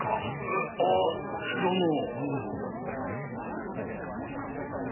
えあどうも。